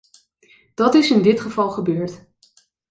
Dat is in dit geval gebeurd.